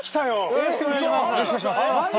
よろしくお願いします。